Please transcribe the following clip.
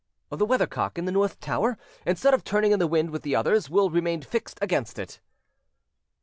"The weathercock in the north tower, instead of turning in the wind with the others, will remain fixed against it."